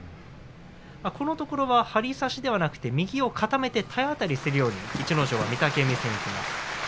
このところは張り差しではなくて右を固めて体当たりするように逸ノ城は御嶽海戦きます。